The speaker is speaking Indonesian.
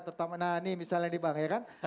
nah ini misalnya nih bang ya kan